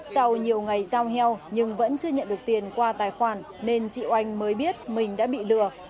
sau nhiều ngày giao heo nhưng vẫn chưa nhận được tiền qua tài khoản nên chị oanh mới biết mình đã bị lừa